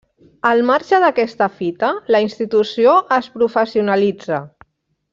Al marge d'aquesta fita, la institució es professionalitza.